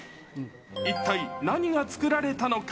一体、何が作られたのか。